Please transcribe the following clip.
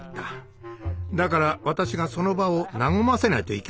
だから私がその場を和ませないといけなかったんだ。